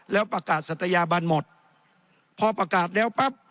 แล้วปากกาดสัตยาบันหมดเพราะอากาศแล้วปั๊บ